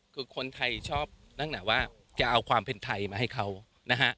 คือคนไทยชอบตั้งแต่ว่าจะเอาความเป็นไทยมาให้เขานะฮะ